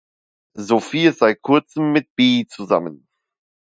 Sophie ist seit kurzem mit Bee zusammen.